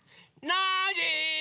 ノージー！